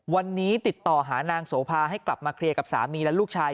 วันนี้ติดต่อหานางโสภาให้กลับมาเคลียร์กับสามีและลูกชาย